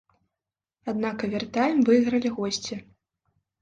Аднак авертайм выйгралі госці.